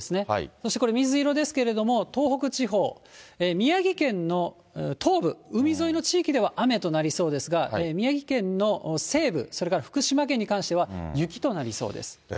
そしてこれ、水色ですけれども、東北地方、宮城県の東部、海沿いの地域では雨となりそうですが、宮城県の西部、それから福島県に関しては、雪となりそうです。